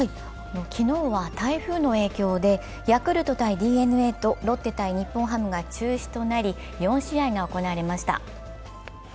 昨日は台風の影響でヤクルト×ＤｅＮＡとロッテ×日本ハムが中止となり４試合が行われました。